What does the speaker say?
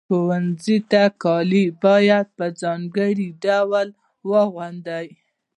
ښوونځي ته کالي باید په ځانګړي ډول واغوندئ.